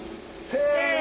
せの！